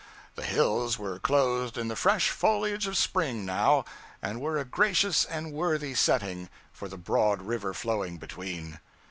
The hills were clothed in the fresh foliage of spring now, and were a gracious and worthy setting for the broad river flowing between.